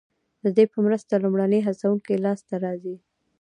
ددې په مرسته لومړني هڅوونکي لاسته راځي.